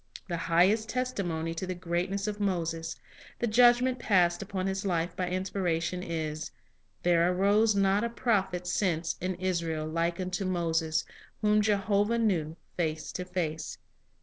The highest testimony to the greatness of Moses, the judgment passed upon his life by Inspiration, is, "There arose not a prophet since in Israel like unto Moses, whom Jehovah knew face to face."